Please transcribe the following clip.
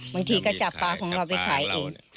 บางทีก็จับปลาของเราไปขายเอง